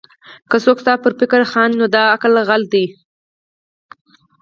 که څوک ستا پر فکر خاندي؛ نو دا د عقل غل دئ.